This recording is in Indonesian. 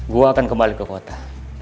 gue akan kembali ke kota